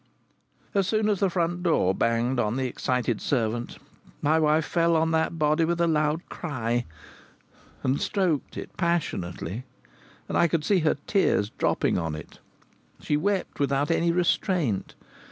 As soon as the front door banged on the excited servant, my wife fell on that body with a loud cry, and stroked it passionately, and I could see her tears dropping on it. She wept without any restraint.